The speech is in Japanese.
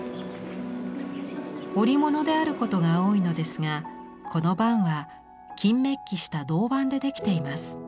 織物であることが多いのですがこの幡は金メッキした銅板で出来ています。